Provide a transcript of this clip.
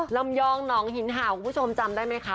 ลำยองหนองหินเห่าคุณผู้ชมจำได้ไหมคะ